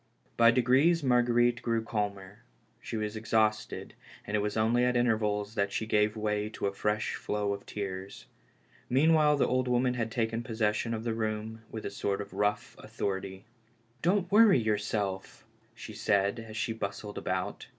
By degrees Marguerite grew calmer ; she was ex hausted, and it was only at intervals that she gave way to a fresh flow of tears. Meanwhile the old woman had taken possession of the room with a sort of rough authority. " Don't worry jT^ourself," she said, as she bustled about.